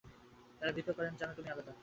তারা ভীত কারন জানে তুমি আলাদা।